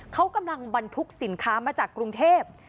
เขากำลังบรรทุกสินค้ามาจากกรุงเทพ